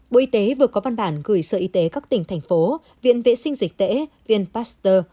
bộ y tế vừa có văn bản gửi sở y tế các tỉnh thành phố viện vệ sinh dịch tễ viện pasteur